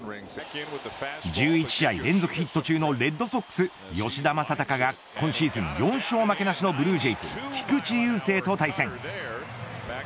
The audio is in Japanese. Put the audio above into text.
１１試合連続ヒット中のレッドソックス、吉田正尚が今シーズン４勝負けなしのブルージェイズ菊池雄星と対戦。